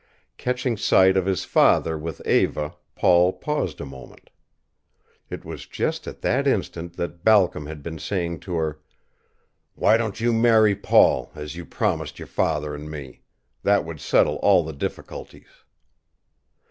Catching sight of his father with Eva, Paul paused a moment. It was just at that instant that Balcom had been saying to her: "Why don't you marry Paul, as you promised your father and me? That would settle all the difficulties."